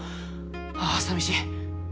あぁ寂しい。